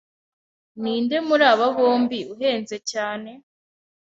Ninde muri aba bombi uhenze cyane?